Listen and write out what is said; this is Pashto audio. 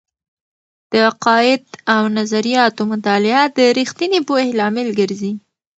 د عقائد او نظریاتو مطالعه د رښتینې پوهې لامل ګرځي.